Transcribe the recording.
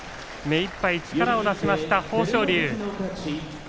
目いっぱい力を出しました豊昇龍。